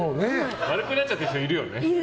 丸くなっちゃってる人いるよね。